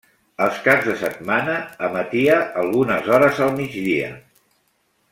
Els caps de setmana emetia algunes hores al migdia.